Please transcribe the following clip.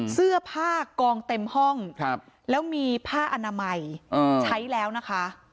เสื้อผ้ากองเต็มห้องแล้วมีผ้าอนามัยใช้แล้วนะคะ